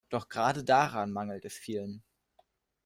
Doch gerade daran mangelt es vielen.